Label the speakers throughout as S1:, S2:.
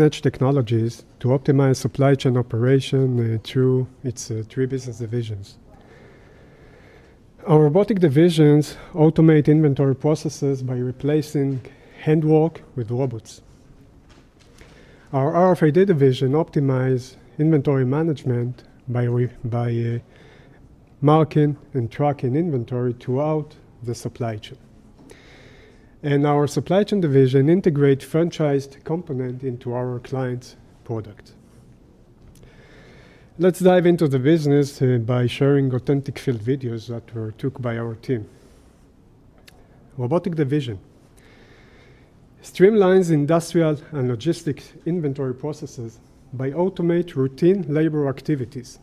S1: Edge technologies to optimize supply chain operation through its three business divisions. Our Robotic divisions automate inventory processes by replacing hand work with robots. Our RFID Division optimizes inventory management by marking and tracking inventory throughout the supply chain. And our Supply Chain Division integrates franchised components into our clients' products. Let's dive into the business by sharing authentic field videos that were taken by our team. Robotic Division streamlines industrial and logistics inventory processes by automating routine labor activities.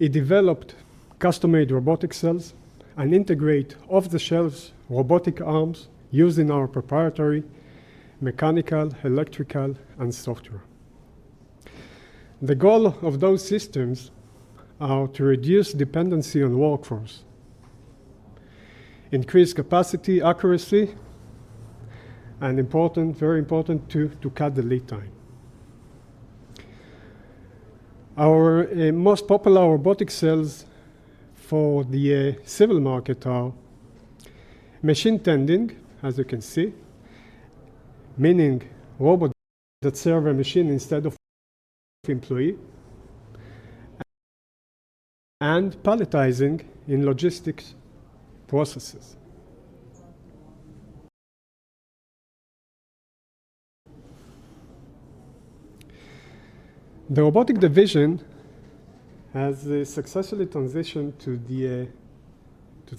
S1: It developed custom-made robotic cells and integrates off-the-shelf robotic arms using our proprietary mechanical, electrical, and software. The goal of those systems is to reduce dependency on workforce, increase capacity, accuracy, and, very important, to cut delay time. Our most popular robotic cells for the civil market are machine tending, as you can see, meaning robots that serve a machine instead of an employee, and palletizing in logistics processes. The robotic division has successfully transitioned to the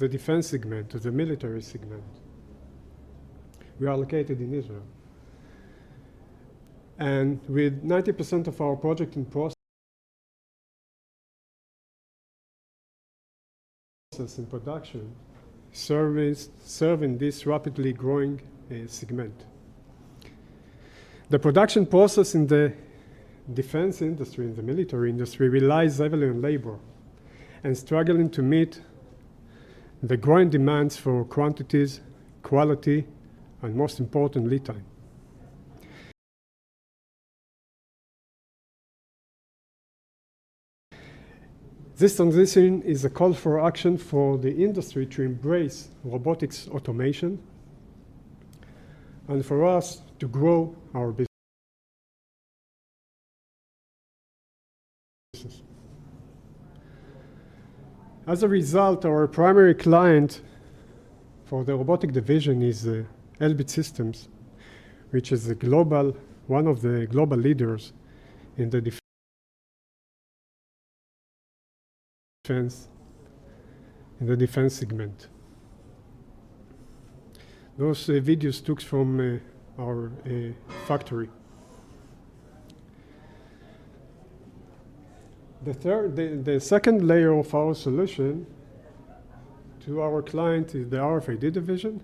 S1: defense segment, to the military segment. We are located in Israel, and with 90% of our projects in process and production serving this rapidly growing segment. The production process in the defense industry, in the military industry, relies heavily on labor and is struggling to meet the growing demands for quantities, quality, and, most importantly, time. This transition is a call for action for the industry to embrace robotics automation and for us to grow our businesses. As a result, our primary client for the robotic division is Elbit Systems, which is one of the global leaders in the defense segment. Those videos were taken from our factory. The second layer of our solution to our client is the RFID division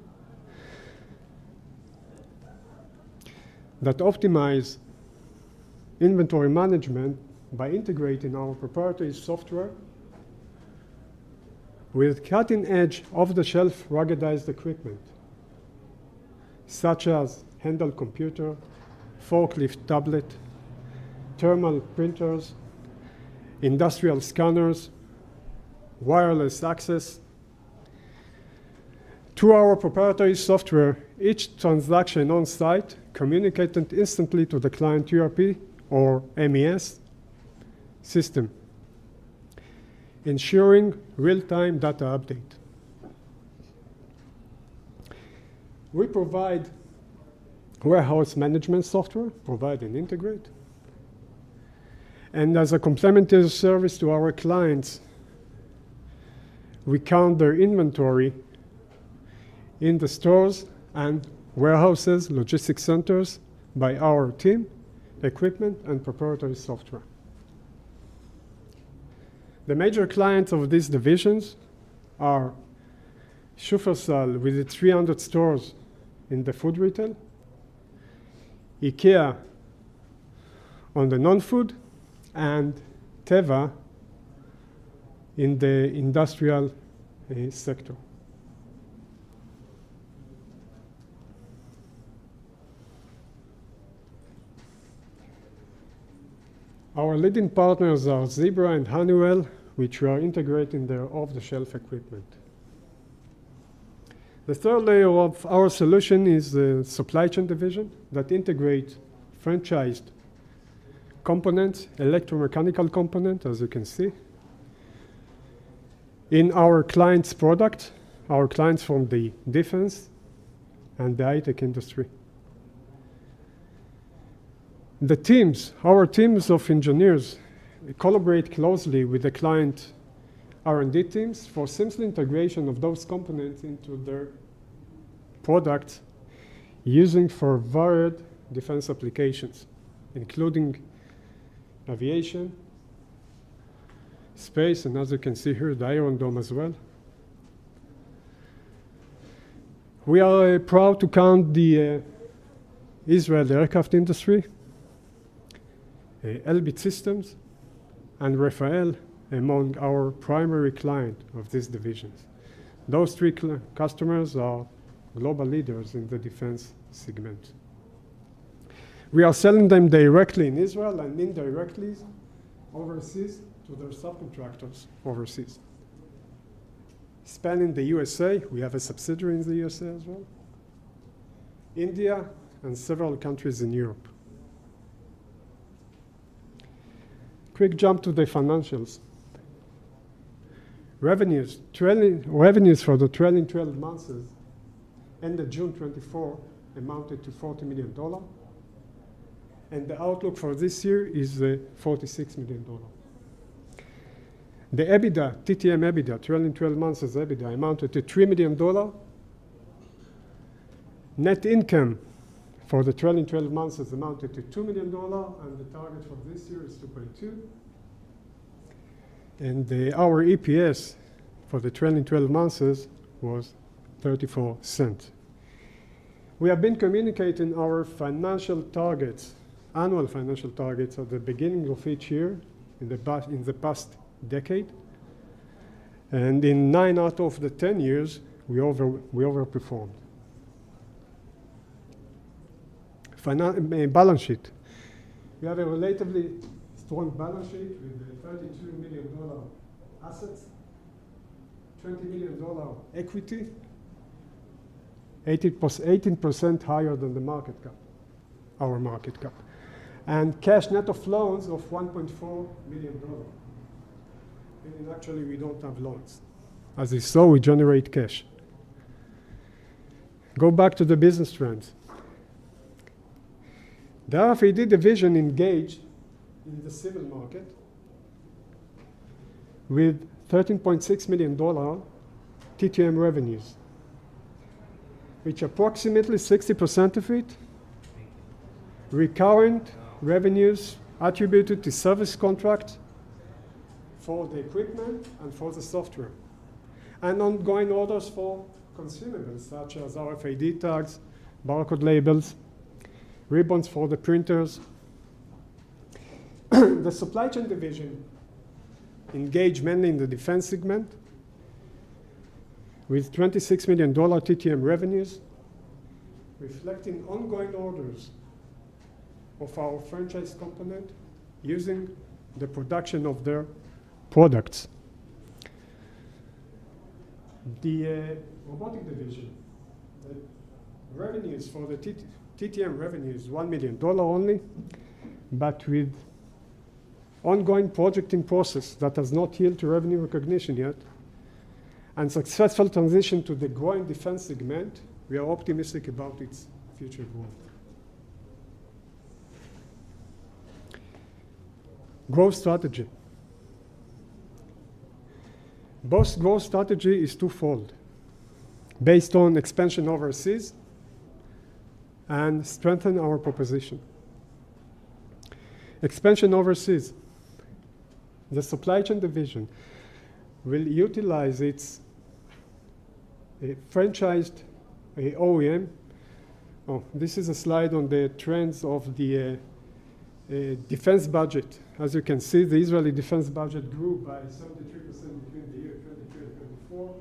S1: that optimizes inventory management by integrating our proprietary software with cutting-edge, off-the-shelf, ruggedized equipment, such as handheld computers, forklift tablets, thermal printers, industrial scanners, wireless access. Through our proprietary software, each transaction on site is communicated instantly to the client ERP or MES system, ensuring real-time data update. We provide warehouse management software, provide and integrate, and as a complementary service to our clients, we count their inventory in the stores and warehouses, logistics centers, by our team, equipment, and proprietary software. The major clients of these divisions are Shufersal, with 300 stores in the food retail, IKEA on the non-food, and Teva in the industrial sector. Our leading partners are Zebra and Honeywell, which we are integrating their off-the-shelf equipment. The third layer of our solution is the supply chain division that integrates franchised components, electromechanical components, as you can see, in our clients' products, our clients from the defense and the high-tech industry. Our teams of engineers collaborate closely with the client R&D teams for seamless integration of those components into their products used for varied defense applications, including aviation, space, and, as you can see here, the Iron Dome as well. We are proud to count the Israeli Aircraft Industry, Elbit Systems, and Rafael among our primary clients of these divisions. Those three customers are global leaders in the defense segment. We are selling them directly in Israel and indirectly overseas to their subcontractors overseas. Spanning the USA, we have a subsidiary in the USA as well, India, and several countries in Europe. Quick jump to the financials. Revenues for the trailing 12 months ended June 24 amounted to $40 million, and the outlook for this year is $46 million. The TTM EBITDA trailing 12 months EBITDA amounted to $3 million. Net income for the trailing 12 months has amounted to $2 million, and the target for this year is $2.2 million, and our EPS for the trailing 12 months was $0.34. We have been communicating our annual financial targets at the beginning of each year in the past decade, and in nine out of the 10 years, we overperformed. Balance sheet. We have a relatively strong balance sheet with $32 million assets, $20 million equity, 18% higher than the market cap, our market cap, and cash net of loans of $1.4 million. Meaning, actually, we don't have loans. As you saw, we generate cash. Go back to the business trends. The RFID division engaged in the civil market with $13.6 million TTM revenues, which approximately 60% of it are recurrent revenues attributed to service contracts for the equipment and for the software, and ongoing orders for consumables such as RFID tags, barcode labels, ribbons for the printers. The supply chain division engaged mainly in the defense segment with $26 million TTM revenues, reflecting ongoing orders of our franchise component using the production of their products. The robotic division, the revenues for the TTM revenue is $1 million only, but with ongoing projecting process that has not yielded revenue recognition yet and successful transition to the growing defense segment, we are optimistic about its future growth. Growth strategy. Both growth strategies are twofold, based on expansion overseas and strengthening our proposition. Expansion overseas. The supply chain division will utilize its franchised OEM. Oh, this is a slide on the trends of the defense budget. As you can see, the Israeli defense budget grew by 73% between the year 2023 and 2024,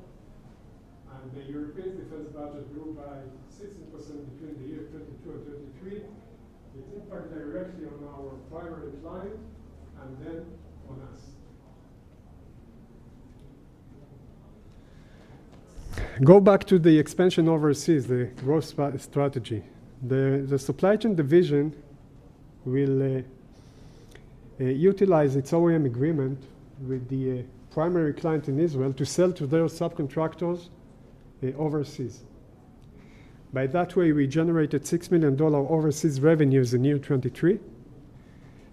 S1: and the European defense budget grew by 16% between the year 2022 and 2023. It impacts directly on our primary client and then on us. Go back to the expansion overseas, the growth strategy. The Supply Chain Division will utilize its OEM agreement with the primary client in Israel to sell to their subcontractors overseas. By that way, we generated $6 million overseas revenues in year 2023,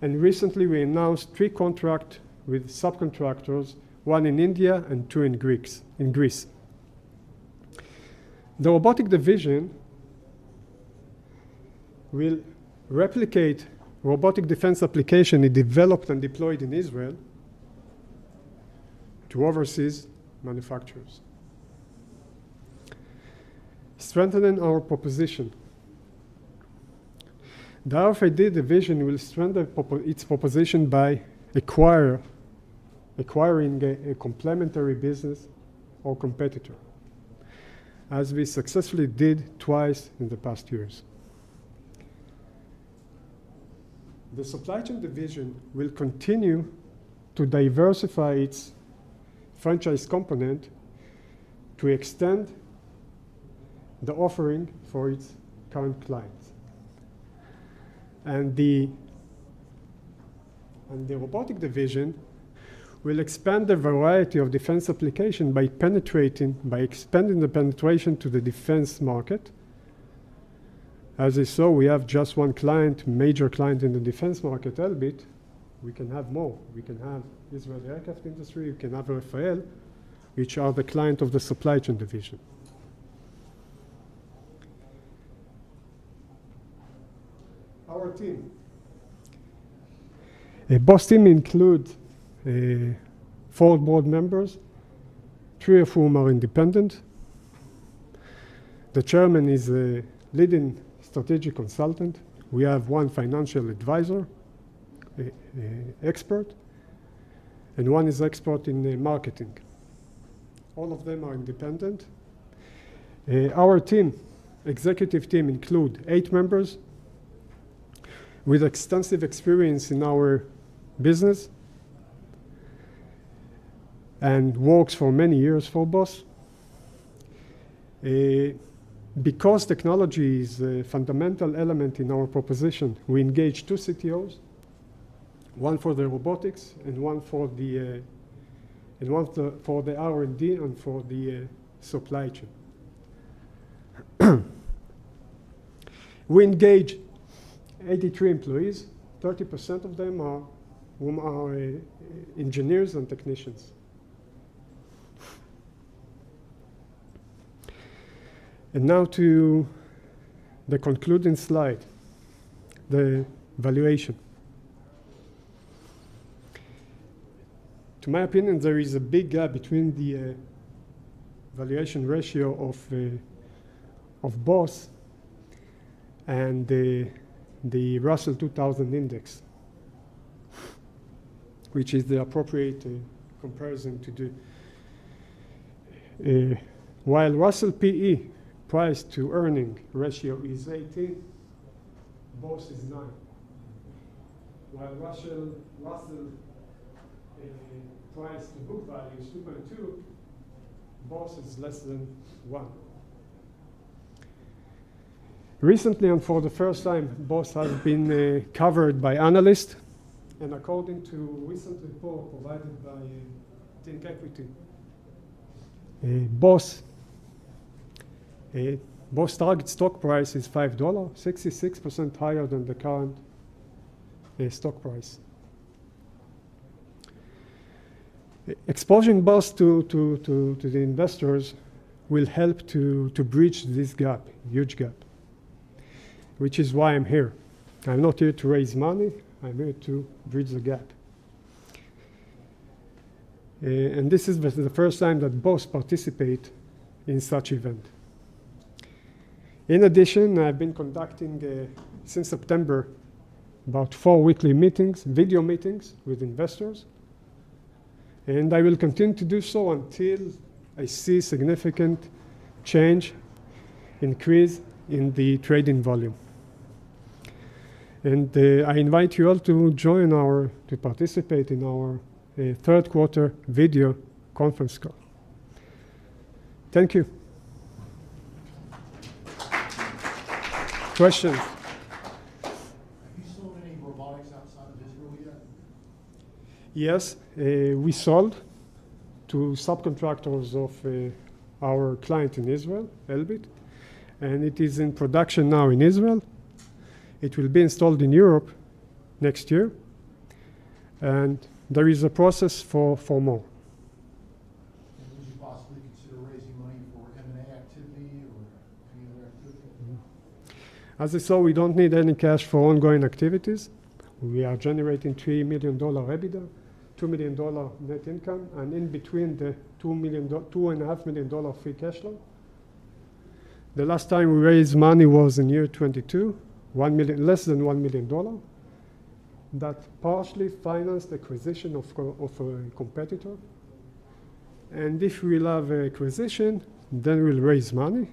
S1: and recently, we announced three contracts with subcontractors, one in India and two in Greece. The Robotic Division will replicate robotic defense applications developed and deployed in Israel to overseas manufacturers, strengthening our proposition. The RFID division will strengthen its proposition by acquiring a complementary business or competitor, as we successfully did twice in the past years. The supply chain division will continue to diversify its franchise component to extend the offering for its current clients, and the robotic division will expand the variety of defense applications by expanding the penetration to the defense market. As you saw, we have just one client, major client in the defense market, Elbit. We can have more. We can have the.. Our team. Both teams include fo. We can have Rafael, which is the client of the supply chain division. Our team. Both teams include four board members, three of whom are independent. The chairman is a leading strategic consultant. We have one financial advisor expert, and one is an expert in marketing. All of them are independent. Our executive team includes eight members with extensive experience in our business and worked for many years for BOS. Because technology is a fundamental element in our proposition, we engage two CTOs, one for the Robotic and one for the R&D and for the supply chain. We engage 83 employees. 30% of them are engineers and technicians. Now to the concluding slide, the valuation. In my opinion, there is a big gap between the valuation ratio of BOS and the Russell 2000 Index, which is the appropriate comparison to do. While Russell PE, price to earnings ratio, is 18, BOS is 9. While Russell price to book value is 2.2, BOS is less than 1. Recently, and for the first time, BOS has been covered by analysts. And according to a recent report provided by ThinkEquity, BOS target stock price is $5, 66% higher than the current stock price. Exposing BOS to the investors will help to bridge this gap, huge gap, which is why I'm here. I'm not here to raise money. I'm here to bridge the gap. And this is the first time that BOS participates in such an event. In addition, I've been conducting since September about four weekly meetings, video meetings with investors, and I will continue to do so until I see a significant change increase in the trading volume. And I invite you all to join our to participate in our third quarter video conference call. Thank you. Questions. Have you sold any robotics outside of Israel yet? Yes. We sold to subcontractors of our client in Israel, Elbit, and it is in production now in Israel. It will be installed in Europe next year, and there is a process for more. Would you possibly consider raising money for M&A activity or any other activity? As you saw, we don't need any cash for ongoing activities. We are generating $3 million EBITDA, $2 million net income, and in between the $2.5 million free cash flow. The last time we raised money was in 2022, less than $1 million that partially financed the acquisition of a competitor, and if we love acquisition, then we'll raise money.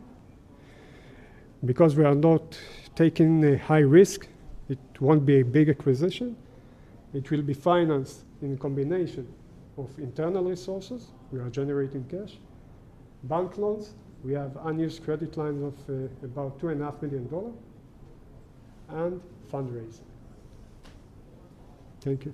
S1: Because we are not taking a high risk, it won't be a big acquisition. It will be financed in a combination of internal resources. We are generating cash, bank loans. We have unused credit lines of about $2.5 million and fundraising. Thank you.